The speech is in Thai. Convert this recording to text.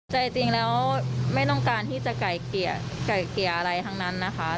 ใจจริงแล้วไม่ต้องการที่จะไกลเกลียร์อะไรทั้งนั้นนะคะ